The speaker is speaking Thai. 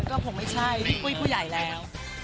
ก็คงไม่ใช่พี่ปุ้ยผู้ใหญ่แล้ว